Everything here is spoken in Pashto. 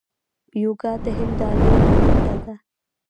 یوګا د هند ډالۍ نړۍ ته ده.